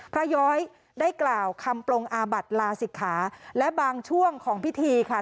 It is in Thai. ย้อยได้กล่าวคำปรงอาบัติลาศิกขาและบางช่วงของพิธีค่ะ